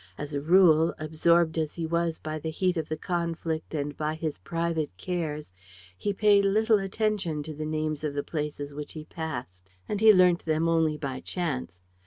As a rule, absorbed as he was by the heat of the conflict and by his private cares, he paid little attention to the names of the places which he passed; and he learnt them only by chance.